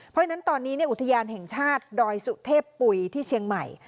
เพราะฉะนั้นตอนนี้อุทยานแห่งชาติดอยสุเทพปุ๋ยที่เชียงใหม่